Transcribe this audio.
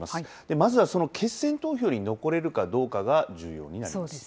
まずはその決選投票に残れるかどうかが重要になります。